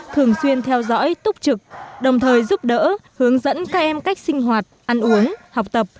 thường xuyên theo dõi túc trực đồng thời giúp đỡ hướng dẫn các em cách sinh hoạt ăn uống học tập